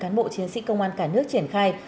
cán bộ chiến sĩ công an cả nước triển khai